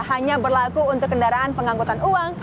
hanya berlaku untuk kendaraan pengangkutan uang